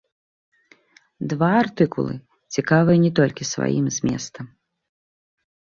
Два артыкулы цікавыя не толькі сваім зместам.